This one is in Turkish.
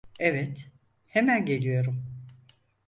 Evet, hemen geliyorum.